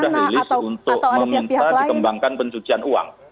sudah rilis untuk meminta dikembangkan pencucian uang